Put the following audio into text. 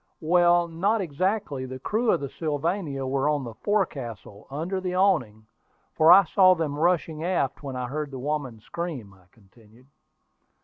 "Well, not exactly. The crew of the Sylvania were on the forecastle, under the awning, for I saw them rushing aft when I heard the woman scream," I continued.